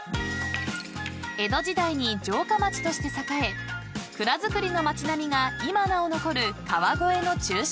［江戸時代に城下町として栄え蔵造りの町並みが今なお残る川越の中心部］